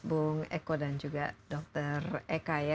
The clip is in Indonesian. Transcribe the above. bung eko dan juga dr eka ya